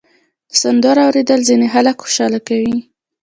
د سندرو اورېدل ځینې خلک خوشحاله کوي.